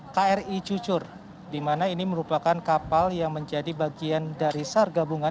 itu kri cucur di mana ini merupakan kapal yang menjadi bagian dari sargabungan